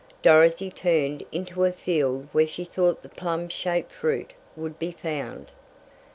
Dorothy turned into a field where she thought the plum shaped fruit would be found.